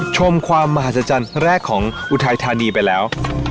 ชมความมหัศจรรย์แรกของอุทัยธานีไปแล้ว